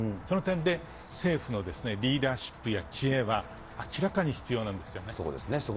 その点で、政府のリーダーシップや知恵は、明らかに必要なんですそうですね。